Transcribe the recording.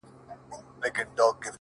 هم راته غم راکړه ته، او هم رباب راکه،